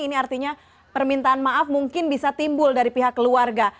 ini artinya permintaan maaf mungkin bisa timbul dari pihak keluarga